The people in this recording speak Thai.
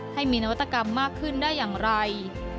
ให้มีนวัตกรรมมากขึ้นได้อย่างไร